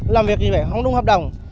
làm việc như vậy không đúng hợp đồng